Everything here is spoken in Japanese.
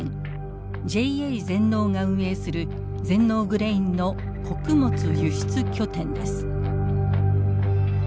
ＪＡ全農が運営する全農グレインの穀物輸出拠点です。